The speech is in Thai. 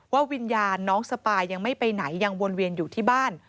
วิญญาณน้องสปายยังไม่ไปไหนยังวนเวียนอยู่ที่บ้าน